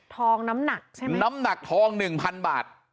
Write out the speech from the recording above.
น้ำหนักใช่ไหมน้ำหนักทองหนึ่งพันบาท